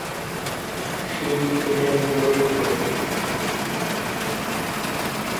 শিব ছিলেন দরিদ্র।